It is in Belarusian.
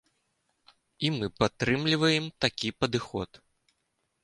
І мы падтрымліваем такі падыход.